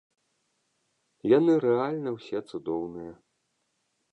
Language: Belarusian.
Яны рэальна ўсе цудоўныя!